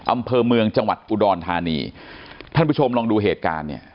อำเภอเมืองจังหวัดอุดรธานีท่านผู้ชมลองดูเหตุการณ์เนี่ย